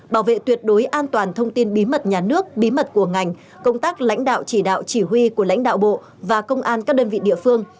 bảo vệ tuyệt đối an toàn thông tin bí mật nhà nước bí mật của ngành công tác lãnh đạo chỉ đạo chỉ huy của lãnh đạo bộ và công an các đơn vị địa phương